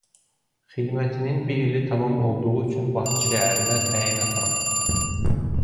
Xidmətinin bir ili tamam olduğu üçün Bakı şəhərinə təyinat alıb.